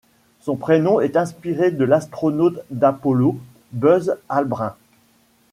Son prénom est inspiré de l'astronaute d'Apollo, Buzz Aldrin.